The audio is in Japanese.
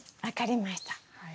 分かりました。